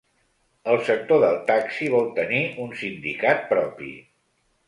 El sector del taxi vol tenir un sindicat propi.